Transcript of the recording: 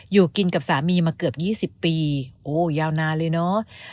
อยู่กินกับสามีมาเกือบ๒๐ปีโอ้ยาวนานเลยเนาะ